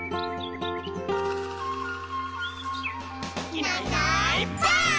「いないいないばあっ！」